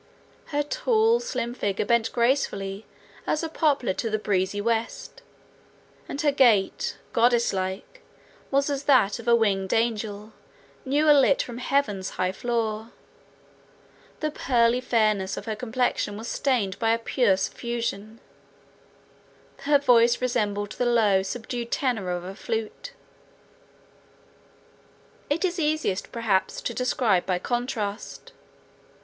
Her tall slim figure bent gracefully as a poplar to the breezy west, and her gait, goddess like, was as that of a winged angel new alit from heaven's high floor; the pearly fairness of her complexion was stained by a pure suffusion; her voice resembled the low, subdued tenor of a flute. It is easiest perhaps to describe by contrast.